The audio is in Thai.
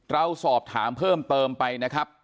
เราสอบถามเพิ่มเติมไปนะครับ